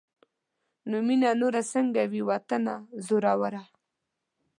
نو مينه نوره سنګه وي واطنه زوروره